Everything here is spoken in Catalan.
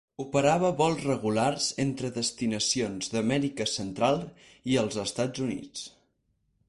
Operava vols regulars entre destinacions d'Amèrica Central i als Estats Units.